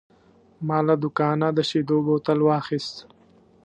ما له دوکانه د شیدو بوتل واخیست.